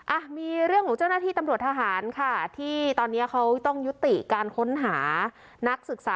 อ่ะมีเรื่องของเจ้าหน้าที่ตำรวจทหารค่ะที่ตอนนี้เขาต้องยุติการค้นหานักศึกษา